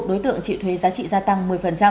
đối tượng chịu thuế giá trị gia tăng một mươi